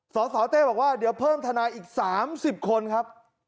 สสเต้บอกว่าเดี๋ยวเพิ่มทนายอีก๓๐คนครับ